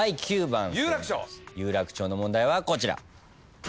有楽町の問題はこちら。